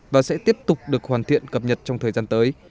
và sẽ tiếp tục được hoàn thiện cập nhật trong thời gian tới